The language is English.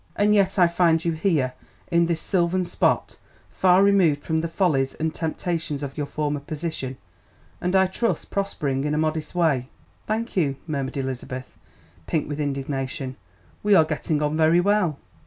"And yet I find you here, in this sylvan spot, far removed from the follies and temptations of your former position, and I trust prospering in a modest way." "Thank you," murmured Elizabeth, pink with indignation, "we are getting on very well."